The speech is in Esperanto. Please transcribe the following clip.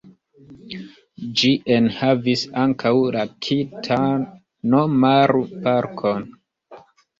Ĝi enhavis ankaŭ la Kita-no-maru-parkon.